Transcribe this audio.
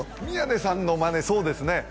宮根さんのマネそうですね